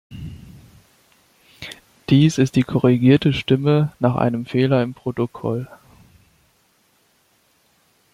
Dies ist die korrigierte Stimme nach einem Fehler im Protokoll.